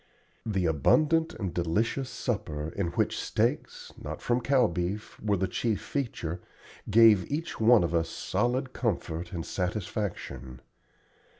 The abundant and delicious supper, in which steaks, not from cow beef, were the chief feature, gave each one of us solid comfort and satisfaction.